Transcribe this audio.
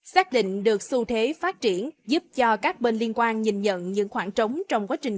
xác định được xu thế phát triển giúp cho các bên liên quan nhìn nhận những khoảng trống trong quá trình